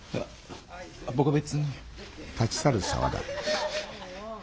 僕は別に。